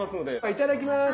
いただきます。